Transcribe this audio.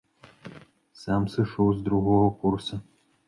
Сам сышоў з другога курса.